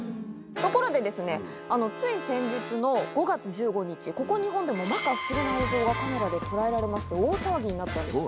ところで、つい先日の５月１５日、ここ、日本でもまか不思議な映像がカメラで捉えられまして、大騒ぎになったんです。